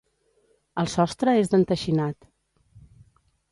El sostre és d'enteixinat.